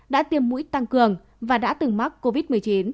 đã tiêm mũi tăng cường và đã từng mắc covid một mươi chín